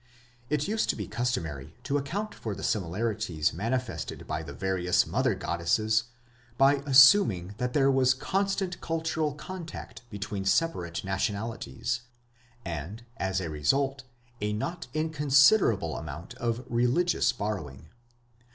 It used to be customary to account for the similarities manifested by the various mother goddesses by assuming that there was constant cultural contact between separate nationalities, and, as a result, a not inconsiderable amount of "religious borrowing".